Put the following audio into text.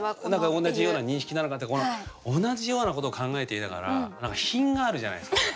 同じような認識なのかって同じようなことを考えていながら何か品があるじゃないですか。